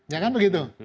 ya kan begitu